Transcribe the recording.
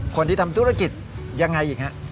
คนที่ทำธุรกิจยังไงอีกฮะ